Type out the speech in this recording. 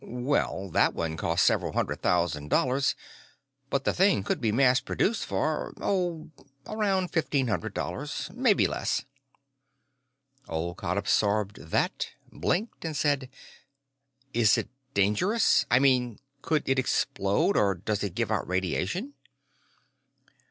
"Well, that one cost several hundred thousand dollars. But the thing could be mass produced for ... oh, around fifteen hundred dollars. Maybe less." Olcott absorbed that, blinked, and said: "Is it dangerous? I mean, could it explode, or does it give out radiation?"